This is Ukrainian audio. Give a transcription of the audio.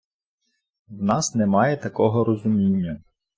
В нас немає такого розуміння.